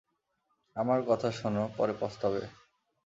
আমার কথা শোনো পরে পস্তাবে।